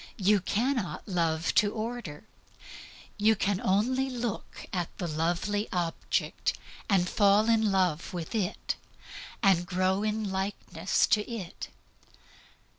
You cannot love to order. You can only look at the lovely object, and fall in love with it, and grow into likeness to it.